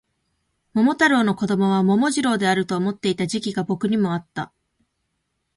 桃太郎の子供は桃次郎であると思っていた時期が僕にもあった